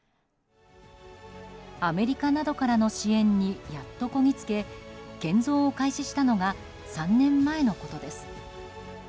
アメリカなどからの支援にやっとこぎつけ建造を開始したのが３年前のことです。